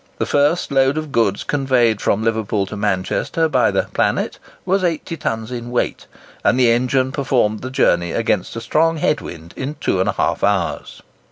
The first load of goods conveyed from Liverpool to Manchester by the "Planet" was 80 tons in weight, and the engine performed the journey against a strong head wind in 2½ hours.